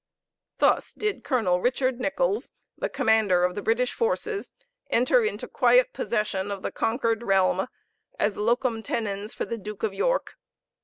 Thus did Colonel Richard Nichols, the commander of the British forces, enter into quiet possession of the conquered realm, as locum tenens for the Duke of York.